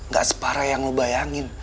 gak separah yang lo bayangin